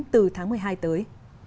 tháng một mươi hai tới